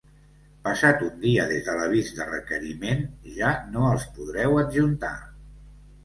Passat un dia des de l'avís de requeriment, ja no els podreu adjuntar.